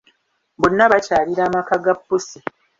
Bonna bakyalira amaka ga pussi.